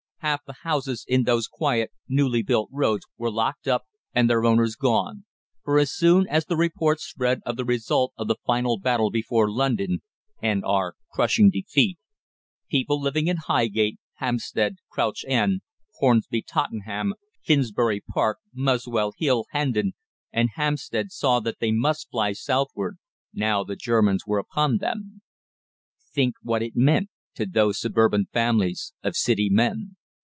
Half the houses in those quiet, newly built roads were locked up, and their owners gone; for as soon as the report spread of the result of the final battle before London, and our crushing defeat, people living in Highgate, Hampstead, Crouch End, Hornsey, Tottenham, Finsbury Park, Muswell Hill, Hendon, and Hampstead saw that they must fly southward, now the Germans were upon them. Think what it meant to those suburban families of City men!